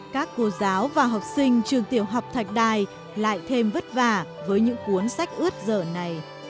các cô giáo và học sinh trường tiểu học thạch đài lại thêm vất vả với những cuốn sách ướt dở này